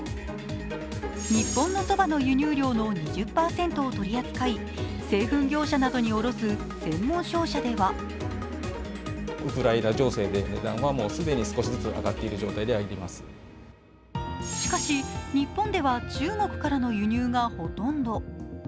日本のそばの輸入量の２０％を取り扱い製粉業者などに卸す専門商社ではしかし、日本では中国からの輸入がほとんど。